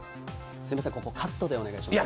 すみません、ここカットでお願いします。